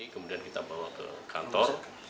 kemudian kita bawa ke kantor